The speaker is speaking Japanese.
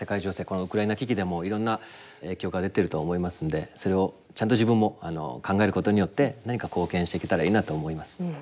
このウクライナ危機でもいろんな影響が出てるとは思いますんでそれをちゃんと自分も考えることによって何か貢献していけたらいいなと思います。